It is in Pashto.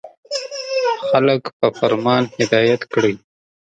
• خلک په فرمان هدایت کړئ.